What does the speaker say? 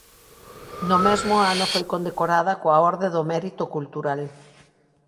No mesmo ano foi condecorada coa Orde do Mérito Cultural.